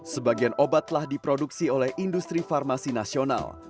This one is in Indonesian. sebagian obat telah diproduksi oleh industri farmasi nasional